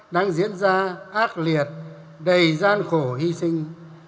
đang diễn ra ác liệt đầy gian khổ hy sinh